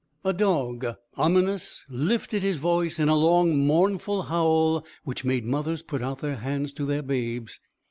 A dog, ominous, lifted his voice in a long, mournful howl which made mothers put out their hands to their babes.